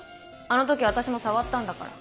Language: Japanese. あの時私も触ったんだから。